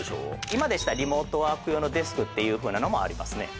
今でしたらリモートワーク用のデスクっていうふうなのもありますね